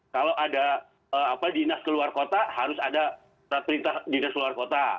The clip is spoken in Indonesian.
kalau ada dinas keluar kota harus ada perintah dinas luar kota